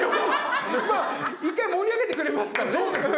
まあ１回盛り上げてくれますからね。